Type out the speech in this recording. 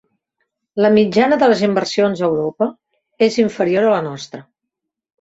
La mitjana de les inversions a Europa és inferior a la nostra.